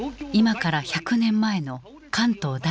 今から１００年前の関東大震災。